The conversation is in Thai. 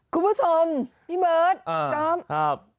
คุณผู้ชมพี่เบิร์ตก๊อฟ